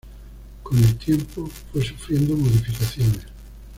Con el tiempo fue sufriendo modificaciones.